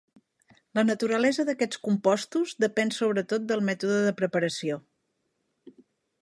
La naturalesa d'aquests compostos depèn sobretot del mètode de preparació.